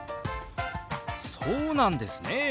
そうなんですね！